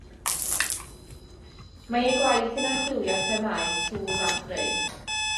Mae ei gwaith yn archwilio themâu twf a chreu.